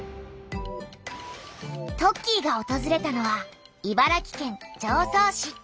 トッキーがおとずれたのは茨城県常総市。